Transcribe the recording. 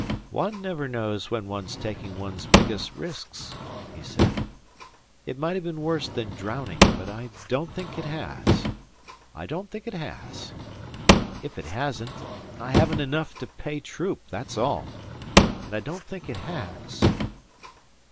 "One never knows when one's taking one's biggest risks," he said. "It might have been worse than drowning; but I don't think it has I don't think it has. If it hasn't, I haven't enough to pay Troop, that's all; and I don't think it has."